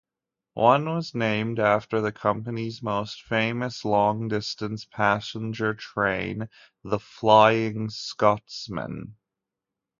One was named after the company's most famous long-distance passenger train, the "Flying Scotsman".